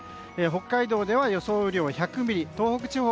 北海道では予想雨量１００ミリ東北地方